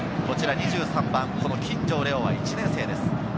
２３番・金城蓮央は１年生です。